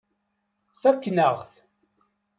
Fakken-aɣ-t.